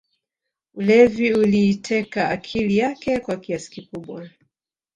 Ulevi uliiteka akili yake kwa kiasi kikubwa